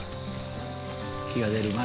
日が出る前に。